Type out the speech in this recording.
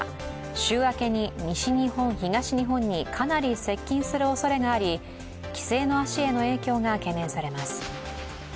週明けに西日本、東日本にかなり接近するおそれがあり帰省の足への影響が懸念されます。